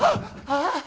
ああ！